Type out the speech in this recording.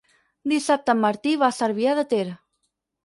Dissabte en Martí va a Cervià de Ter.